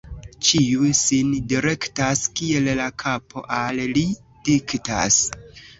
Ĉiu sin direktas, kiel la kapo al li diktas.